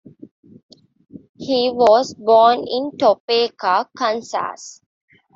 He was born in Topeka, Kansas.